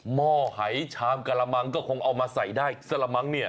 หม้อหายชามกะละมังก็คงเอามาใส่ได้สละมั้งเนี่ย